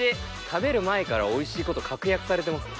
食べる前からおいしいこと確約されてます。